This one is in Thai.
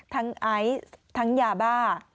ไอซ์ทั้งยาบ้า